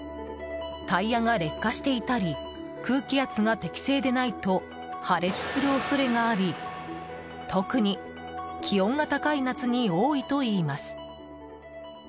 タイヤが劣化していたり空気圧が適正でないと破裂する恐れがあり、特に気温が高い夏に多いといいます。